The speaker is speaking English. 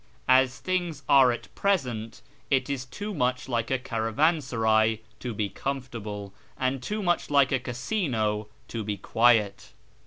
As things are at i^resent, it is too much like a caravansaray to be comfortable, and too much like a casino to be quiet.